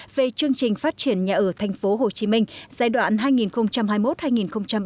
về chương trình xây dựng